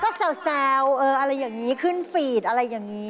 ก็แซวอะไรอย่างนี้ขึ้นฟีดอะไรอย่างนี้